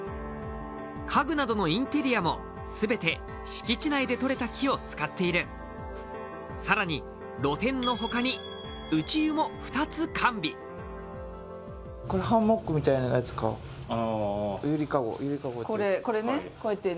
家具などのインテリアも全て敷地内でとれた木を使っているさらに露天の他に内湯も２つ完備これハンモックみたいなやつかゆりかごゆりかごっていうかこれこれねこうやってね